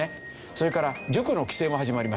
それから塾の規制も始まりました。